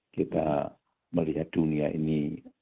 kita melihat dunia ini